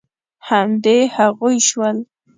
همدې هغوی شول.